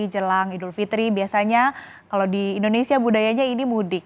jelang idul fitri biasanya kalau di indonesia budayanya ini mudik